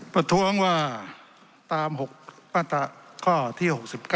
บรรทวงว่าตามค่าที่๖๙